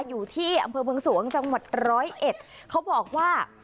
อยู่ที่อำเภอเมืองสวงจังหวัดร้อยเอ็ดเขาบอกว่า